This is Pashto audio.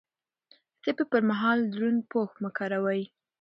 د تبه پر مهال دروند پوښ مه کاروئ.